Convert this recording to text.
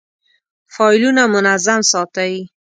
فایلونه منظم ساتئ؟